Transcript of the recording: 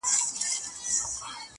وينه د وجود مي ده ژوندی يم پرې،